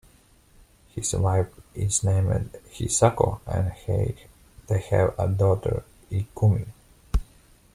His wife is named Hisako, and they have a daughter, Ikumi.